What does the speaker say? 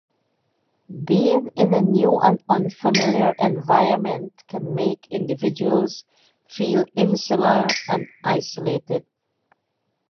Being in a new and unfamiliar environment can make individuals feel insular and isolated.